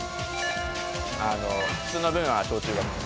あの普通の「文」は小中学校。